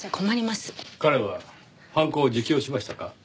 彼は犯行を自供しましたか？